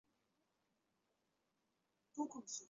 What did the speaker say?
芋形笔螺为笔螺科芋笔螺属下的一个种。